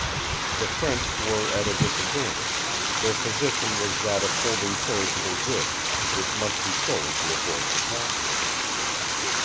The French were at a disadvantage; their position was that of holding perishable goods, which must be sold to avoid catastrophe.